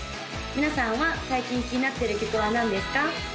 皆さんは最近気になってる曲は何ですか？